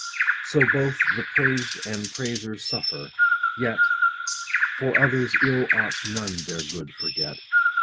So both the prais'd and praisers suffer ; yet, For others ill ought none their good forget.